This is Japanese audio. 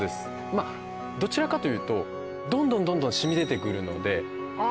まあどちらかというとどんどんどんどん染み出てくるのでああ